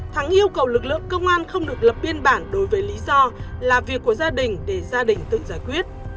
thắng yêu cầu lực lượng công an không được lập biên bản đối với lý do là việc của gia đình để gia đình tự giải quyết